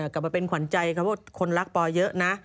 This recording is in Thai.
กลับมาเป็นขวัญใจเขาว่าคนรักปอเยอะนะ